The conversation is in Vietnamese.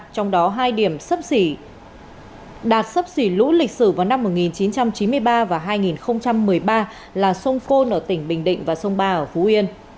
trong đó hai điểm sấp xỉ đạt sấp xỉ lũ lịch sử vào năm một nghìn chín trăm chín mươi ba và hai nghìn một mươi ba là sông phôn ở tỉnh bình định và sông ba ở phú yên